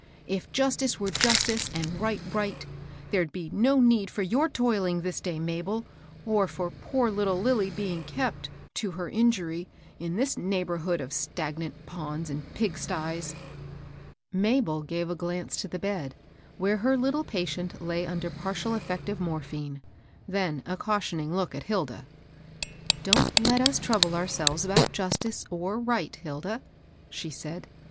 " If justice were justice and right right, there'd be no need for your toiling this day, Mabel, or for poor little Lilly being kept, to her injury, in this neighborhood of stagnant ponds and pigsties." Mabel gave a glance to the bed, where her little patient lay under partial effect of morphine, then a cautioning look at Hilda. " Don't let us trouble ourselves about justice or right, Hilda," she said.